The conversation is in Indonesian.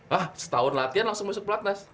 hah setahun latihan langsung masuk platnas